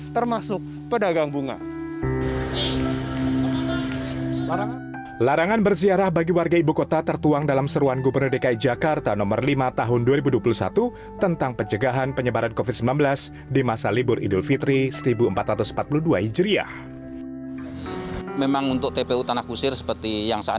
tentang penjagaan penyebaran covid sembilan belas di masa libur idul fitri seribu empat ratus empat puluh dua hijriah